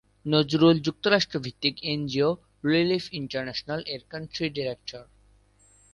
নজরুল যুক্তরাষ্ট্র-ভিত্তিক NGO relief ইন্টারন্যাশনাল-এর country director.